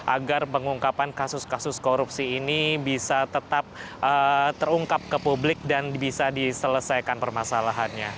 agar pengungkapan kasus kasus korupsi ini bisa tetap terungkap ke publik dan bisa diselesaikan permasalahannya